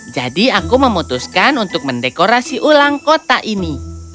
jadi aku memutuskan untuk mendekorasi ulang kota ini